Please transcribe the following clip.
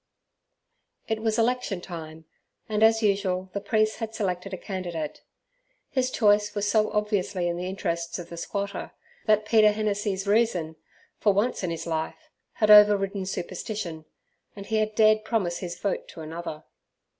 It was election time, and as usual the priest had selected a candidate. His choice was so obviously in the interests of the squatter, that Peter Hennessey's reason, for once in his life, had over ridden superstition, and he had dared promise his vote to another.